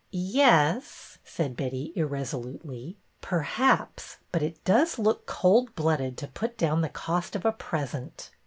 '' Y e e s," said Betty, irresolutely. '' Per haps; but it looks cold blooded to put down the cost of a present."